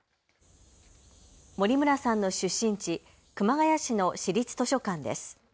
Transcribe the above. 森村さんの出身地、熊谷市の市立図書館です。